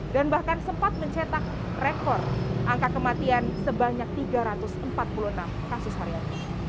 dan bahkan sempat mencetak rekor angka kematian sebanyak tiga ratus empat puluh enam kasus harian